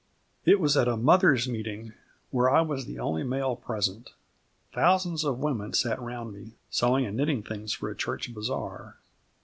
It was at a mothers' meeting, where I was the only male present. Thousands of women sat round me, sewing and knitting things for a church bazaar.